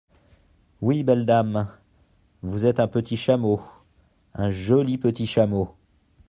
Oui, belle dame, vous êtes un petit chameau, un joli petit chameau…